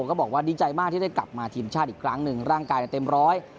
ก็บอกว่าดีใจมากที่ได้กลับมาทีมชาติอีกครั้งหนึ่งร่างกายเต็มร้อย